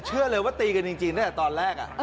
เชื่อเลยว่าตีกันจริงตั้งแต่ตอนแรก